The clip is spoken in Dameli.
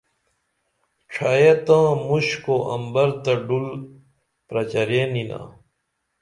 ڇھیہ تاں مُشک او عمبر تہ ڈُل پرچرین یینا